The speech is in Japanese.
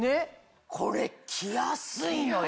これ着やすいのよ。